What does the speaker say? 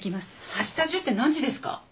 明日中って何時ですか？